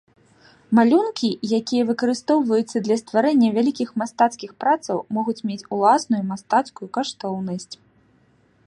Малюнкі, якія выкарыстоўваюцца для стварэння вялікіх мастацкіх працаў, могуць мець уласную мастацкую каштоўнасць.